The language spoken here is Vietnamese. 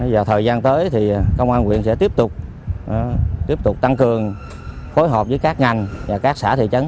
và thời gian tới thì công an quyện sẽ tiếp tục tăng cường phối hợp với các ngành và các xã thị trấn